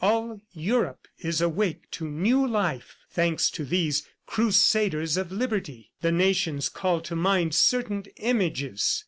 All Europe is awake to new life, thanks to these Crusaders of Liberty. ... The nations call to mind certain images.